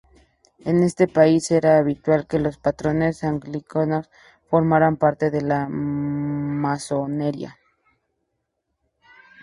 En ese país era habitual que los pastores anglicanos formaran parte de la masonería.